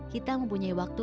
kita mempunyai waktu